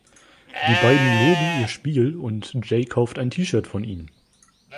Die beiden loben ihr Spiel und Jay kauft ein T-Shirt von ihnen.